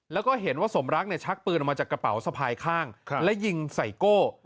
แล้วก็เห็นว่าสมรักเนี่ยชักปืนออกมาจากกระเป๋าสะพายข้างและยิงใส่โก้